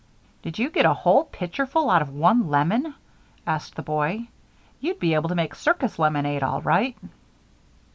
"Did you get a whole pitcherful out of one lemon?" asked the boy. "You'd be able to make circus lemonade all right."